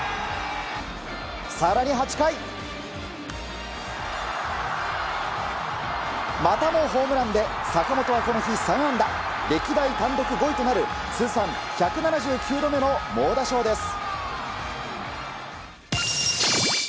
更に８回、またもホームランで坂本はこの日３安打歴代単独５位となる通算１７９度目の猛打賞です。